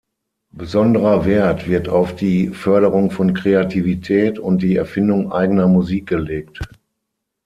Besonderer Wert wird auf die Förderung von Kreativität und die Erfindung eigener Musik gelegt.